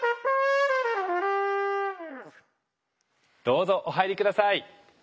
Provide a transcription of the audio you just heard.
どうぞお入り下さい。